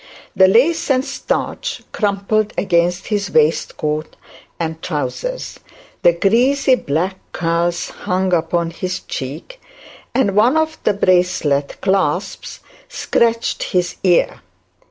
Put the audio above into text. The lace and starch crumpled against his waistcoat and trousers, the greasy black curls hung upon his cheek, and one of the bracelet clasps scratched his ear.